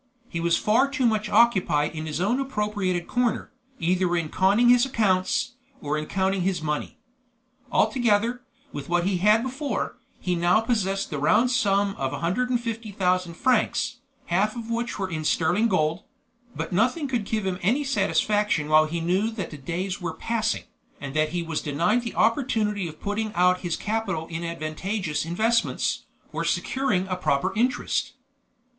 He was far too much occupied in his own appropriated corner, either in conning his accounts, or in counting his money. Altogether, with what he had before, he now possessed the round sum of 150,000 francs, half of which was in sterling gold; but nothing could give him any satisfaction while he knew that the days were passing, and that he was denied the opportunity of putting out his capital in advantageous investments, or securing a proper interest.